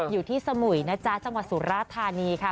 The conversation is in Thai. อยู่ที่สมุยนะจ๊ะจังหวัดสุราธารณีค่ะ